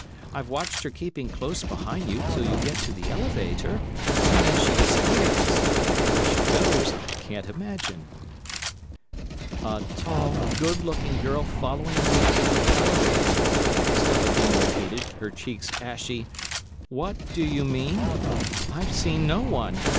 I've watched her keeping close behind you till you get to the elevator, and then she disappears. Where she goes I can't imagine." "A tall, good looking girl following me to the elevator," Stella Dean repeated, her cheeks ashy. "What do you mean? I've seen no one.